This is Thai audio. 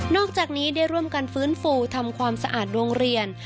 อกจากนี้ได้ร่วมกันฟื้นฟูทำความสะอาดโรงเรียน